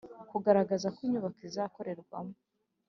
Kugaragaza ko inyubako izakorerwamo